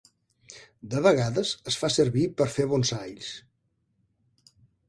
De vegades es fa servir per fer bonsais.